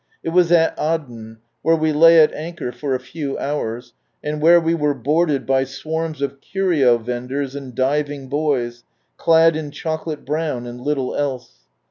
It was at Aden, where we lay at anchor for a few hours, and where we were boarded by swarms of curio vendors and diving boys, ciad in chocolate brown, and httle else.